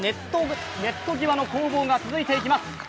ネット際の攻防が続いていきます。